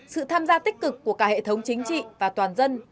sự tham gia tích cực của cả hệ thống chính trị và toàn dân